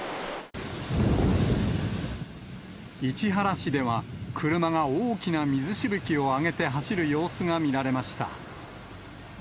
市原市では、車が大きな水しぶきを上げて走る様子が見られました。